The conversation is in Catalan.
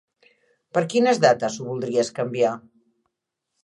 Per quines dates ho voldries canviar?